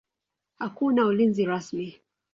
Hakuna ulinzi rasmi.